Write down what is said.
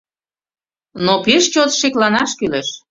Но пеш чот шекланаш кӱлеш.